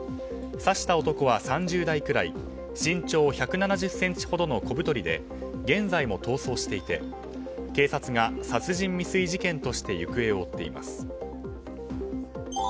刺した男は３０代くらい身長１７０ｃｍほどの小太りで現在も逃走していて警察が殺人未遂事件として行方を追っています。